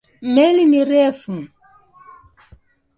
Meli ni refu.